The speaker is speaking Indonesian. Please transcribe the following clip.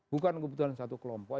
bukan kebutuhan satu kelompok